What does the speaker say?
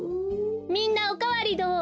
みんなおかわりどう？